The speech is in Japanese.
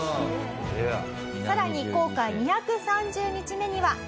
さらに航海２３０日目には。